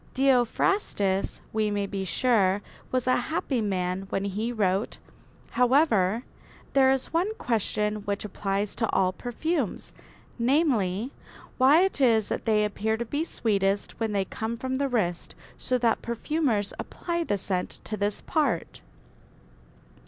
Theophrastus, we may be sure, was a happy man when he wrote: "However, there is one question which applies to all perfumes, namely, why it is that they appear to be sweetest when they come from the wrist; so that perfumers apply the scent to this part."